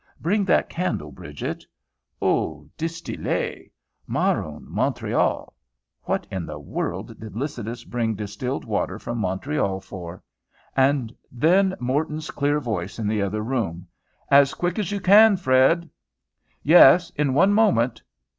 "Bring that candle, Bridget." "Eau destillée. Marron, Montreal." What in the world did Lycidas bring distilled water from Montreal for? And then Morton's clear voice in the other room, "As quick as you can, Fred." "Yes! in one moment.